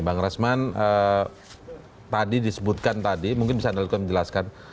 bang rasman tadi disebutkan tadi mungkin bisa anda juga menjelaskan